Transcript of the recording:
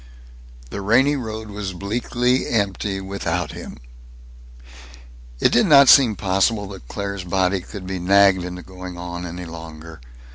The rainy road was bleakly empty without him. It did not seem possible that Claire's body could be nagged into going on any longer.